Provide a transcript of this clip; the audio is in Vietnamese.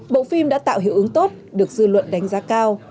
bộ phim đã tạo hiệu ứng tốt được dư luận đánh giá cao